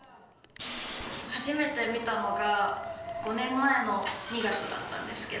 初めて見たのが、５年前の２月だったんですけど。